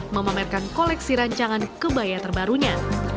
memamerkan koleksi rancangan kebaya terbarunya